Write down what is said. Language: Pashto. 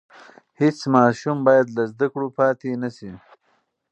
هېڅ ماشوم بايد له زده کړو پاتې نشي.